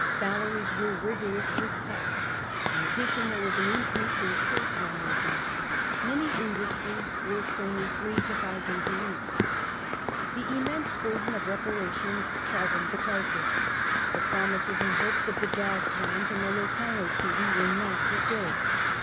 Salaries were rigorously cut. In addition, there was an increase in short time working : many industries worked only 3 to 5 days a week. The immense burden of reparations sharpened the crisis. The promises and iiopes of the Dawes Plan and the Locarno Treaty were not fulfilled.